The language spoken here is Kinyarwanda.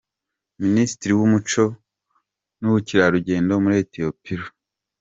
Minisitiri w’Umuco n’Ubukerarugendo muri Ethiopia, Dr.